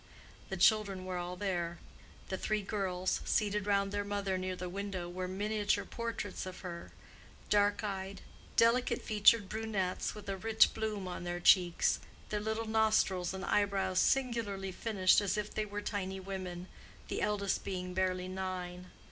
The children were all there. The three girls, seated round their mother near the window, were miniature portraits of her—dark eyed, delicate featured brunettes with a rich bloom on their cheeks, their little nostrils and eyebrows singularly finished as if they were tiny women, the eldest being barely nine.